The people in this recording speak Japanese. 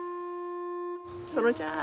園ちゃん。